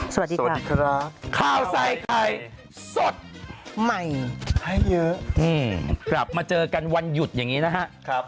สวัสดีครับข้าวใส่ไข่สดใหม่ให้เยอะกลับมาเจอกันวันหยุดอย่างนี้นะครับ